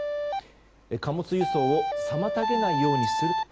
貨物輸送を妨げないようにすると。